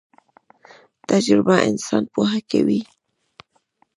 تجربه انسان پوه کوي